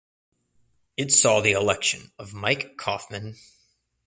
It saw the election of Mike Coffman.